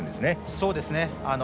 そうですね。